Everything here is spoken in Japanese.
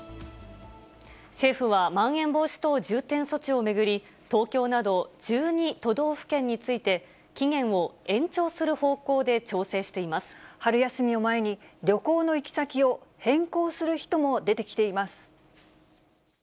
政府はまん延防止等重点措置を巡り、東京など１２都道府県について、期限を延長する方向で調整してい春休みを前に、旅行の行き先を変更する人も出てきています。